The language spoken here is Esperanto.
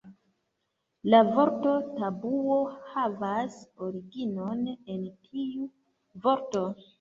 La vorto tabuo havas originon en tiu vorto.